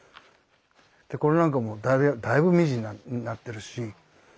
でこれなんかもだいぶミニになってるし。